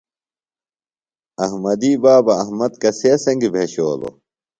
احمدی بابہ احمد کسے سنگیۡ بھشولوۡ؟